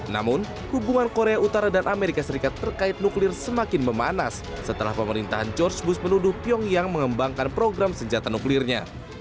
namun hubungan korea utara dan amerika serikat terkait nuklir semakin memanas setelah pemerintahan george bush menuduh pyongyang mengembangkan program senjata nuklirnya